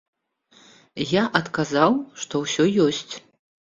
Я адказаў, што ўсё ёсць.